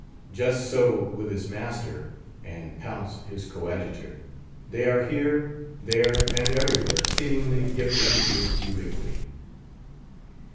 Just so with his master, and Pounce his coadjutor; they are here, there, and everywhere, seemingly gifted with ubiquity.